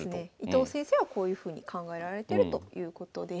伊藤先生はこういうふうに考えられてるということです。